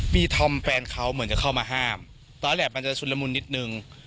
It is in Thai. ธอมแฟนเขาเหมือนจะเข้ามาห้ามตอนแรกมันจะชุดละมุนนิดนึง